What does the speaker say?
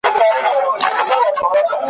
وروسته معلومه سوه، چي هغو شوم پلان درلود.